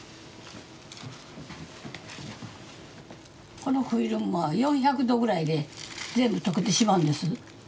このフィルムは４００℃くらいで全部溶けてしまうんです。